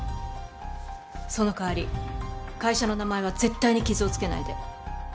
その代わり会社の名前は絶対に傷をつけないで。